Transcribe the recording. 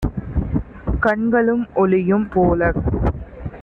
கண்களும் ஒளியும் போலக்